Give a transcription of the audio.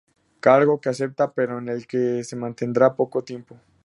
Cargo que acepta pero en el que se mantendrá poco tiempo.